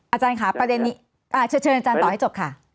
อาจารย์ค่ะประเด็นนี้เชิญอาจารย์ต่อให้จบค่ะ